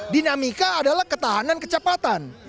dinamika adalah ketahanan kecepatan